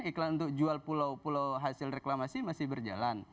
iklan untuk jual pulau pulau hasil reklamasi masih berjalan